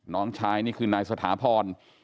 น้องชายนี่คือนายสถาพร